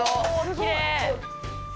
きれい。